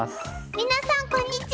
皆さんこんにちは。